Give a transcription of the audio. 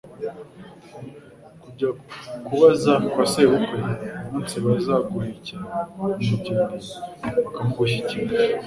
kujya kubaza kwa sebukwe umunsi bazaguhekera umugeni bakamugushyikiriza